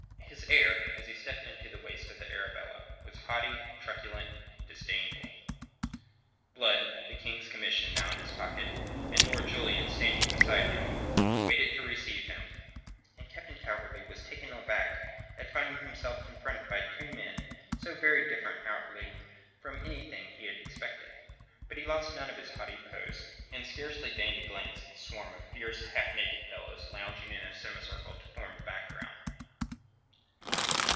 His air, as he stepped into the waist of the Arabella, was haughty, truculent, and disdainful. Blood, the King's commission now in his pocket, and Lord Julian standing beside him, waited to receive him, and Captain Calverley was a little taken aback at finding himself confronted by two men so very different outwardly from anything that he had expected. But he lost none of his haughty poise, and scarcely deigned a glance at the swarm of fierce, half naked fellows lounging in a semicircle to form a background.